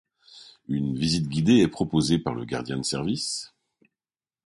Une visite guidée est proposée par le gardien de service.